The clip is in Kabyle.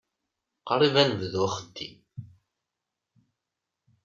Qrib ad nebdu axeddim.